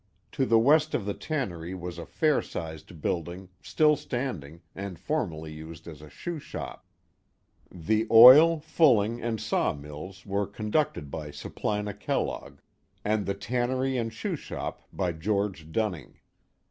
To the west of the tannery was a fair sized building, still stand ing, and formerly used as a shoe shop. The oil, fulling, and saw mills were conducted by Supplina Kellogg, and the tannery and shoe shop by George Dunning.